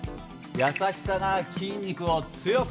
優しさが筋肉を強くする！